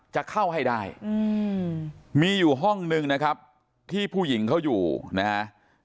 จะเข้าให้ได้มีอยู่ห้องนึงนะครับที่ผู้หญิงเขาอยู่นะฮะ